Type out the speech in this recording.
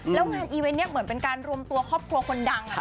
แล้วงานอีเวนต์นี้เหมือนเป็นการรวมตัวครอบครัวคนดัง